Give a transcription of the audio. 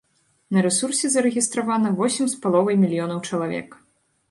На рэсурсе зарэгістравана восем з паловай мільёнаў чалавек.